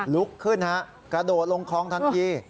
ลุกขึ้นฮะกระโดดลงคลองทันที